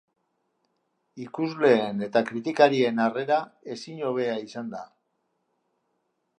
Ikusleen eta kritikarien harrera ezin hobea izan da.